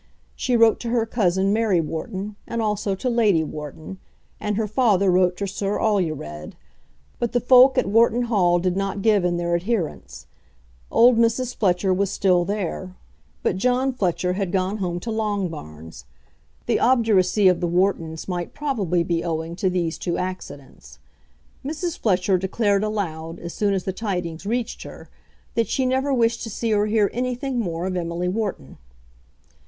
She wrote to her cousin Mary Wharton, and also to Lady Wharton; and her father wrote to Sir Alured; but the folk at Wharton Hall did not give in their adherence. Old Mrs. Fletcher was still there, but John Fletcher had gone home to Longbarns. The obduracy of the Whartons might probably be owing to these two accidents. Mrs. Fletcher declared aloud, as soon as the tidings reached her, that she never wished to see or hear anything more of Emily Wharton.